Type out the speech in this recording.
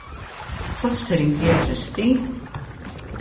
Fostering jeżisti?